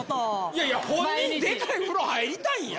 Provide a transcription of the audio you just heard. いやいや本人デカい風呂入りたいんやろ？